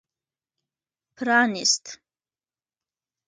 پرانېست.